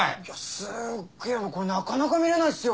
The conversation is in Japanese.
すげえこれなかなか見れないっすよ。